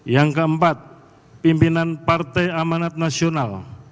yang keempat pimpinan partai amanat nasional